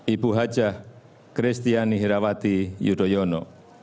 ibu hajah kristiani herawati yudhoyono